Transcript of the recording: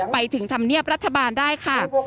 ไปถึงธรรมเนียบรัฐบาลได้ค่ะ